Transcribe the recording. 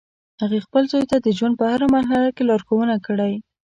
هغې خپل زوی ته د ژوند په هر مرحله کې ښه لارښوونه کړی